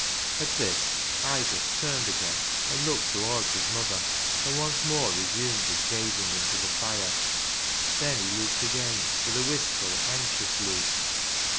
At this Isaac turned again and looked towards his mother, and once more resumed his gazing in the fire. Then he looked again with a wistful, anxious look.